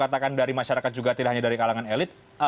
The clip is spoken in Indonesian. katakan dari masyarakat juga tidak hanya dari kalangan elit